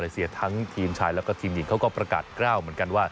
สีเชียดทั้งทีมชายทีมหญิงกันประกาศก้าว